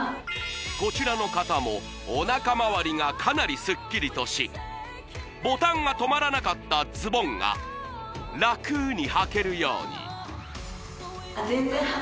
こちらの方もおなかまわりがかなりスッキリとしボタンがとまらなかったズボンが楽にはけるように・あっ！